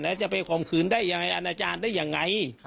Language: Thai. แล้วจะไปข่มขืนได้ยังไงอาณาจารย์ได้ยังไง